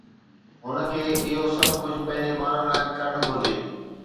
هن کي اهو سڀ ڪجهه پنهنجي ٻارن لاءِ ڪرڻ گهرجي